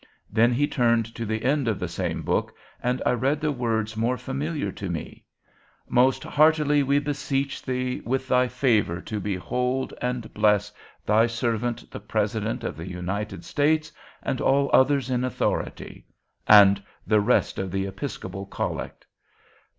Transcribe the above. Then he turned to the end of the same book, and I read the words more familiar to me: 'Most heartily we beseech Thee with Thy favor to behold and bless Thy servant, the President of the United States, and all others in authority,' and the rest of the Episcopal collect.